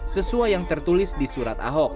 sesuai yang tertulis di surat ahok